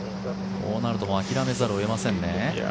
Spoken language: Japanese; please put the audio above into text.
こうなると諦めざるを得ませんね。